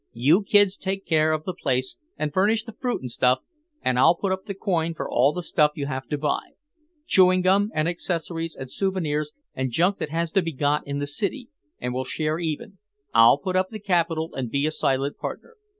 "You kids take care of the place and furnish the fruit and stuff and I'll put up the coin for all the stuff you have to buy—chewing gum, and accessories, and souvenirs and junk that has to be got in the city, and we'll share even. I'll put up the capital and be a silent partner.